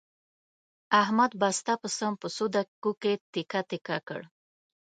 احمد بسته پسه په څو دقیقو کې تکه تکه کړ.